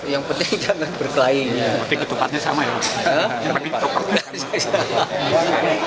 yang penting jangan berkelain